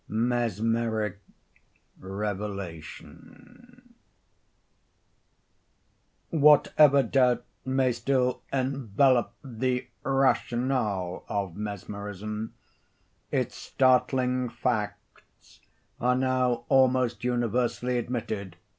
MESMERIC REVELATION Whatever doubt may still envelop the rationale of mesmerism, its startling facts are now almost universally admitted.